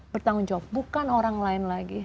bertanggung jawab bukan orang lain lagi